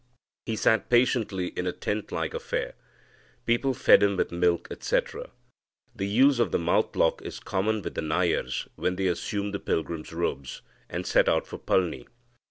He sat patiently in a tent like affair. People fed him with milk, etc. The use of the mouth lock is common with the Nayars, when they assume the pilgrim's robes and set out for Palni.